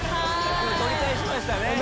取り返しましたね最後。